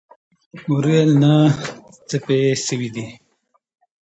مور مې وويل نه څه پې سوي دي.